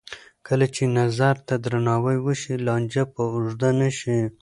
کله چې نظر ته درناوی وشي، لانجه به اوږده نه شي.